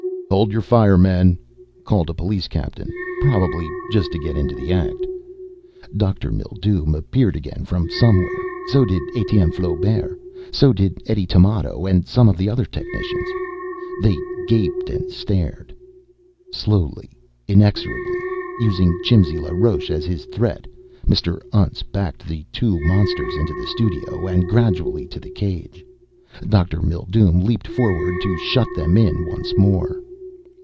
"Hold your fire, men!" called a police captain, probably just to get into the act. Dr. Mildume appeared again from somewhere. So did Etienne Flaubert. So did Eddie Tamoto and some of the other technicians. They gaped and stared. Slowly, inexorably, using Jimsy LaRoche as his threat, Mr. Untz backed the two monsters into the studio, and gradually to the cage. Dr. Mildume leaped forward to shut them in once more.